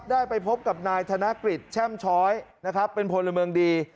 ได้ไปพบกับนายธนกฤษแช่มช้อยนะครับเป็นพลเมืองดี